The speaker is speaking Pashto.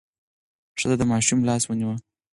ښځه د ماشوم لاس ونیو.